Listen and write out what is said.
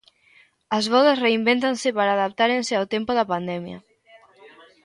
As vodas reinvéntanse para adaptárense ao tempo da pandemia.